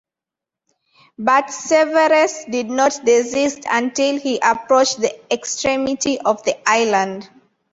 But Severus did not desist until he approached the extremity of the island.